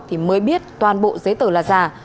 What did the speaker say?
thì mới biết toàn bộ giấy tờ là giả